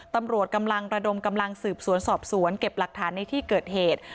ตำรวจกำลังระดมกำลังสืบสวนสอบสวนเก็บหลักฐานในที่เกิดเหตุ